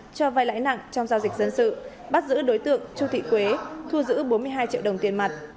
cho vai lãi nặng trong giao dịch dân sự bắt giữ đối tượng chu thị quế thu giữ bốn mươi hai triệu đồng tiền mặt